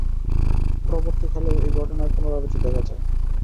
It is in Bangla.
পরবর্তী কালেও এই ঘটনার পুনরাবৃত্তি দেখা যায়।